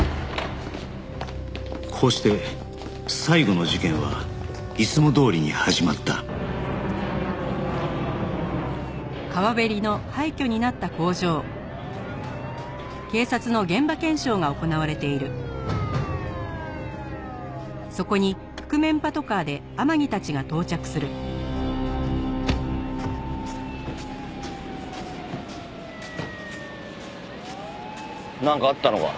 こうして最後の事件はいつもどおりに始まったなんかあったのか？